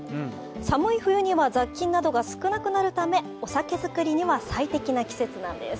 寒い冬には雑菌などが少なくなるため、お酒作りには最適な季節なんです。